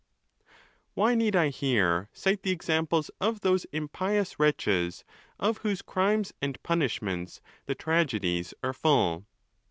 Why need I here cite the examples of those impious wretches of whose crimes and punishments the tragedies are full?